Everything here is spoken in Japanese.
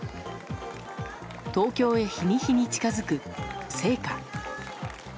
東京へ日に日に近づく聖火。